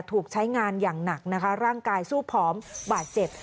ถูกใช้งานอย่างหนักนะคะร่างกายสู้ผอมบาดเจ็บ